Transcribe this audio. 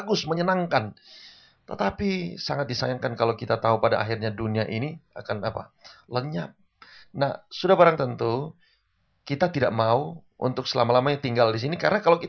bunga itu dialah tuhan yesus yang kasih ke anak